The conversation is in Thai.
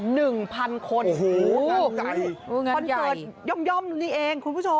โอ้โฮงั้นใหญ่คุณผู้ชมคนเกิดย่อมนี่เอง